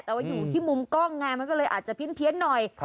แต่ว่าอยู่ที่มุมกล้องไงมันก็เลยอาจจะเพี้ยนหน่อย